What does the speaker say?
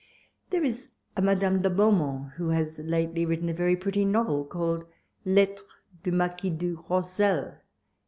There is a Madame de Beaumont who has lately written a very pretty novel, called '' Lettres du Marquis du Roselle."